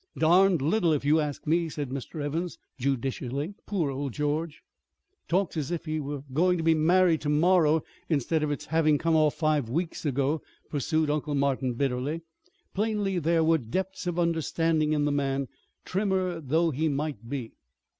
"Darned little, if you ask me," said Mr. Evans judicially. "Poor old George!" "Talks as if he were going to be married tomorrow instead of its having come off five weeks ago," pursued Uncle Martin bitterly. Plainly there were depths of understanding in the man, trimmer though he might be.